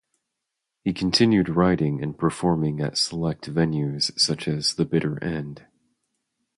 He continued writing and performing at select venues, such as The Bitter End.